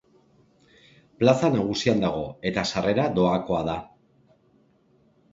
Plaza nagusian dago eta sarrera doakoa da.